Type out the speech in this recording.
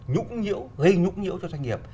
nhũng nhũ gây nhũng nhũ cho doanh nghiệp